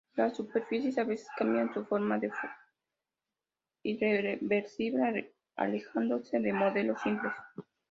Las superficies a veces cambian su forma de forma irreversible alejándose de modelos simples.